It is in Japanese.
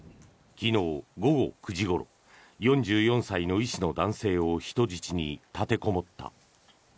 昨日午後９時ごろ４４歳の医師の男性を人質に立てこもった。